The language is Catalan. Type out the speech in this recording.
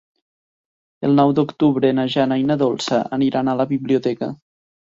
El nou d'octubre na Jana i na Dolça aniran a la biblioteca.